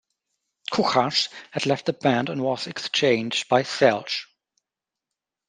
"Kucharz" had left the band and was exchanged by "Celej".